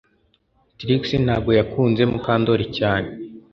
Trix ntabwo yakunze Mukandoli cyane